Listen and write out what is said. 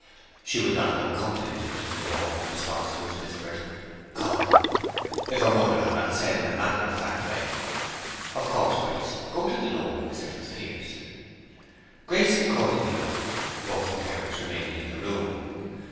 She would not have accompanied him to the door in response to his whispered "Come!" if her mother had not said in a matter of fact way, "Of course, Grace; go to the door with Mr. Fitzpiers." Accordingly Grace went, both her parents remaining in the room.